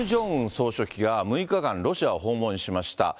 総書記が６日間ロシアを訪問しました。